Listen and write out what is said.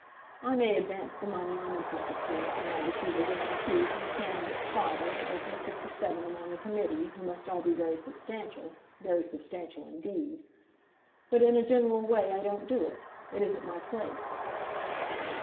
I may advance the money, on interest, of course, when I receive a guarantee from the candidate's father, or from six or seven among the committee, who must all be very substantial, very substantial indeed. But in a general way I don't do it. It isn't my place."